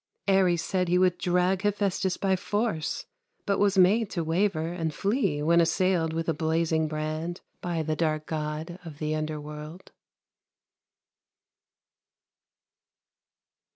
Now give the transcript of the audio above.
Ares said he would drag Hephestus by force, But was made to waver And flee when assailed With a blazing brand By the dark God Of the underworld.